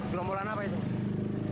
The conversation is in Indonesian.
gerombolan apa itu